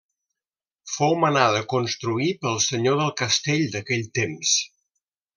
Fou manada construir pel senyor del castell d'aquell temps.